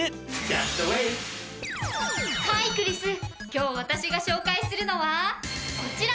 今日私が紹介するのはこちら！